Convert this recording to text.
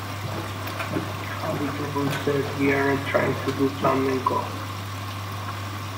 Xavi Turull said: ...we aren't trying to do flamenco.